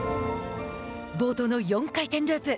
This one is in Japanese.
冒頭の４回転ループ。